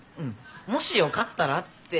もしよかったらってみんなが。